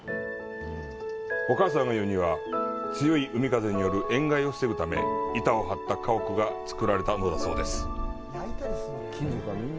お母さんが言うには、強い海風による塩害を防ぐため、板を張った家屋が造られたのだそうです。